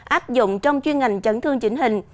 áp dụng trong chuyên ngành chấn thương chỉnh hình